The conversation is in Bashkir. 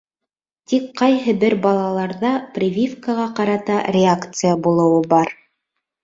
Тик ҡайһы бер балаларҙа прививкаға ҡарата реакция булыуы бар.